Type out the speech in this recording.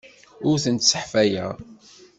Ur tent-sseḥfayeɣ.